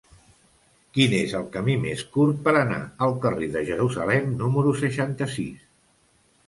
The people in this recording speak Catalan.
Quin és el camí més curt per anar al carrer de Jerusalem número seixanta-sis?